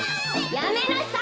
やめなさい！